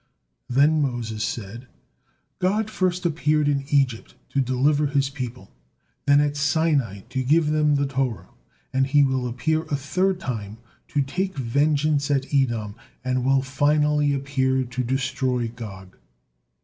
Then Moses said: "God first appeared in Egypt to deliver His people, then at Sinai to give them the Torah, and He will appear a third time to take vengeance at Edom, and will finally appear to destroy Gog."